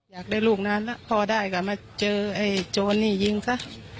อยากได้ลูกนานแล้วพอได้ก็มาเจอไอ้โจรนี่ยิงซะ